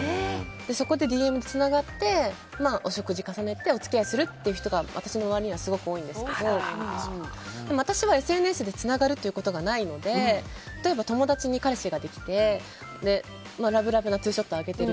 そこでＤＭつながってお食事重ねてお付き合いする人が私の周りはすごく多いんですけど、私はＳＮＳでつながることがないので例えば友達に彼氏ができてラブラブなツーショット上げてる。